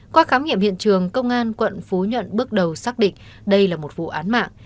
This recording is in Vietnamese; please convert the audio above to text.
qua khám nghiệm hiện trường công an quận phú nhuận bước đầu xác định đây là một vụ án mạng